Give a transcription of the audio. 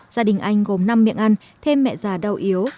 gia đình anh gồm năm miệng ăn thêm mẹ già đau yếu